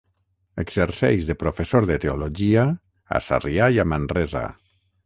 Exerceix de professor de Teologia a Sarrià i a Manresa.